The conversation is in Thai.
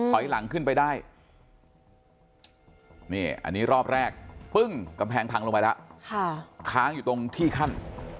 ถอยหลังขึ้นไปได้นี่อันนี้รอบแรกปึ้งกำแพงพังลงไปแล้วค้างอยู่ตรงที่ขั้น